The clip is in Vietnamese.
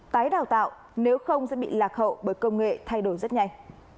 tái đào tạo nếu không sẽ bị lạc hậu bởi công nghệ thay đổi rất nhanh